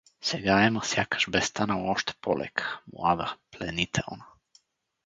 Сега Ема сякаш бе станала още по-лека, млада, пленителна.